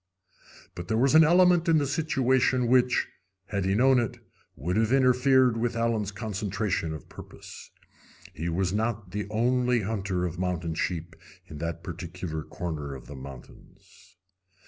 But there was an element in the situation which, had he known it, would have interfered with Allen's concentration of purpose. He was not the only hunter of mountain sheep in that particular corner of the mountains.